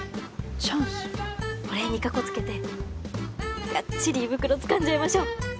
お礼にかこつけてがっちり胃袋つかんじゃいましょ。